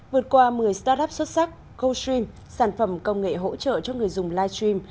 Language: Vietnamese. vượt qua một mươi start up xuất sắc goldstream sản phẩm công nghệ hỗ trợ cho người dùng live stream